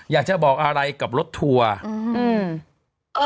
อยากจะบอกอะไรกับรถทัวร์